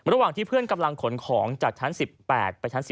ระหว่างที่เพื่อนกำลังขนของจากชั้น๑๘ไปชั้น๔